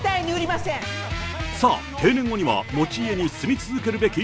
さあ、定年後には、持ち家に住み続けるべき？